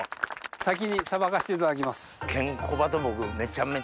先にさばかしていただきます。